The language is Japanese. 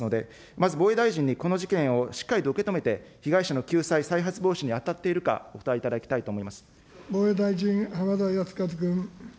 とても重大な問題だと思っていますので、まず防衛大臣にこの事件をしっかりと受け止めて、被害者の救済、再発防止に当たっているか、お答えいただきたいと思います。